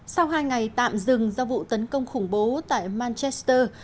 sau hai ngày tạm dừng do vụ tấn công khủng bố tại manchester